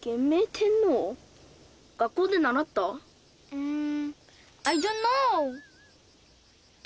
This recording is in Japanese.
うん。